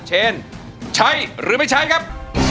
เชนใช้หรือไม่ใช้ครับ